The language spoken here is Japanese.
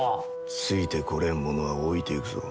ついてこれん者は置いていくぞ。